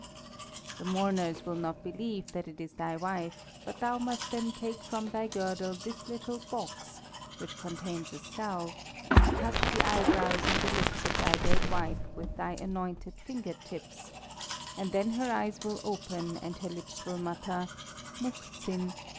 The mourners will not believe that it is thy wife; but thou must then take from thy girdle this little box, which contains a salve, and touch the eyebrows and the lips of thy dead wife with thy anointed finger tips, and then her eyes will open and her lips will mutter, 'Muhzin!'